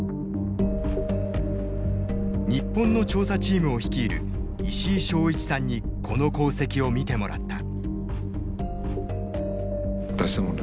日本の調査チームを率いる石井正一さんにこの航跡を見てもらった。